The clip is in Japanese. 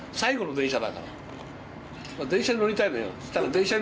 電車乗りたいのよ。